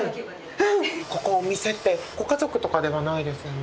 ここお店ってご家族とかではないですよね？